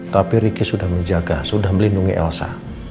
tapi ricky sudah menjaga sudah melindungi elsa